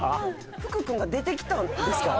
福君が出てきたんですか。